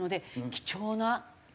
貴重な？